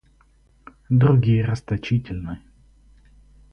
Другие расточительны.